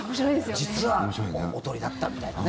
実はおとりだったみたいなね。